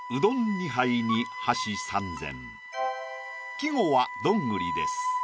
季語は「どんぐり」です。